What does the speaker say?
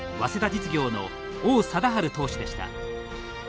実業の王貞治投手でした。